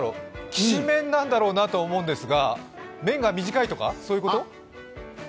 きしめんなんだろうなと思うんですが、麺が短いとかそういうこと？